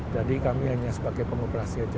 jadi kami hanya sebagai pengoperasi saja